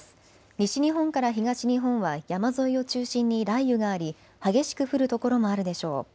西日本から東日本は山沿いを中心に雷雨があり激しく降る所もあるでしょう。